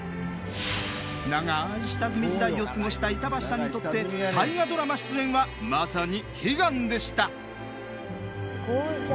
長い下積み時代を過ごした板橋さんにとって「大河ドラマ」出演はまさに悲願でした。